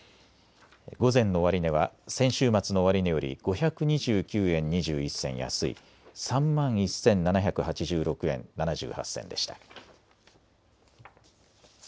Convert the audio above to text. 午前の終値は先週末の終値より５２９円２１銭安い３万１７８６円７８銭でした。